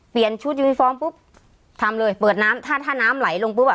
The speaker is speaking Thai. เปลี่ยนชุดยูนิฟ้องปุ๊บทำเลยเปิดน้ำถ้าถ้าน้ำไหลลงปุ๊บอ่ะ